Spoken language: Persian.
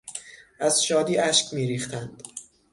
از شادی اشک میریختند.